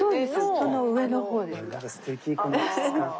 その上の方ですが。